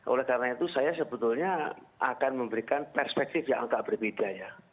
oleh karena itu saya sebetulnya akan memberikan perspektif yang agak berbeda ya